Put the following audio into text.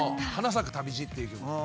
咲く旅路』っていう曲。